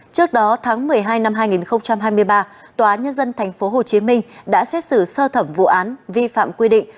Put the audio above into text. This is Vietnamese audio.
trước đó tháng một mươi hai năm hai nghìn hai mươi ba tòa nhân dân tp hcm đã xét xử sơ thẩm vụ án vi phạm quy định